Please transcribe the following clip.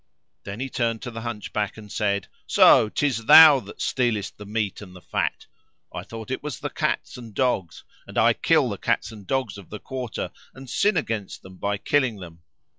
Then he turned to the Hunchback and said, "So 'tis thou that stealest the meat and the fat! I thought it was the cats and dogs, and I kill the dogs and cats of the quarter and sin against them by killing them.